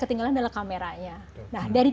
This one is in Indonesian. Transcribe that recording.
ketinggalan adalah kameranya nah dari